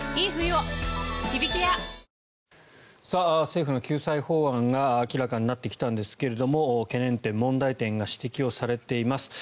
政府の救済法案が明らかになってきたんですが懸念点、問題点が指摘されています。